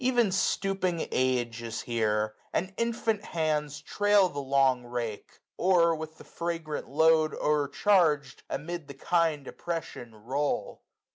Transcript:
Even stooping age is here ; and infant hands Trail the long rake, or, with the fragrant load O'ercharg'd, amid the kind oppression roll.